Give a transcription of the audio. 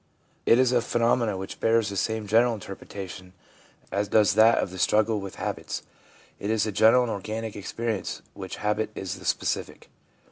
It is a phenomenon which bears the same general interpretation as does that of the struggle with habits. It is the general and organic experience of which habit is the specific.